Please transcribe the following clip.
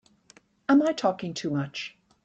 Am I talking too much?